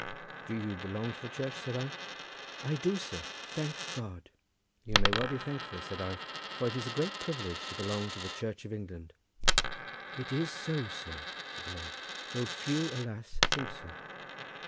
"Do you belong to the Church?" said I. "I do, sir, thank God!" "You may well be thankful," said I, "for it is a great privilege to belong to the Church of England." "It is so, sir!" said the man, "though few, alas! think so."